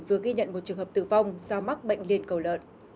vừa ghi nhận một trường hợp tử vong do mắc bệnh liên cầu lợn